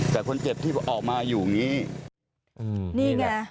แต่คนเจ็บที่ออกมาอยู่อย่างนี้นี่ไง